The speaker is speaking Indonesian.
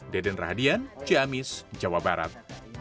deden rahadian ciamis jawa barat